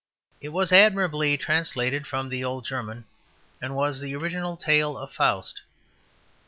It was admirably translated from the old German, and was the original tale of Faust.